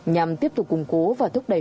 nhằm tiếp tục củng cố và thúc đẩy